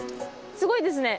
すごいですね。